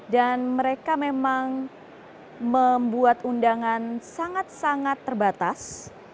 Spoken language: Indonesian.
dan mereka memang membuat undangan sangat sangat terbatas